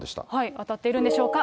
当たっているんでしょうか。